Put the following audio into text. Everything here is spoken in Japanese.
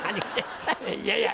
いやいや！